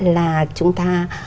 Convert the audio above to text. là chúng ta